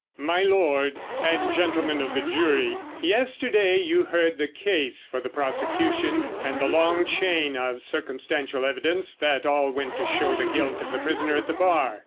"My Lord and gentlemen of the jury—yesterday you heard the case for the prosecution, and the long chain of circumstantial evidence that all went to show the guilt of the prisoner at the bar.